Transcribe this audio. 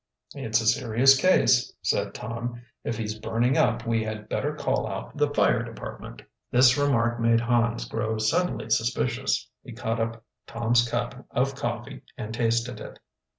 "It's a serious case," said Tom. "If he's burning up we had better call out the fire department." This remark made Hans grow suddenly suspicious. He caught up Tom's cup of coffee and tasted it.